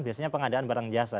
biasanya pengadaan barang jasa